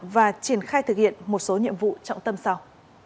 và triển khai thực hiện một số nhiệm vụ trọng tâm sau